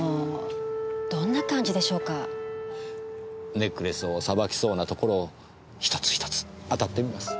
ネックレスをさばきそうな所を１つ１つ当たってみます。